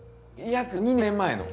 約２年前の。